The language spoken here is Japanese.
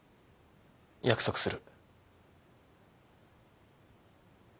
約束する。